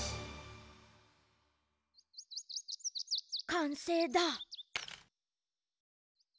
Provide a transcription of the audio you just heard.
かんせいだ！